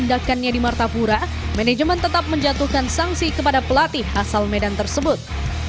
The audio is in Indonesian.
tindakannya di martapura manajemen tetap menjatuhkan sanksi kepada pelatih asal medan tersebut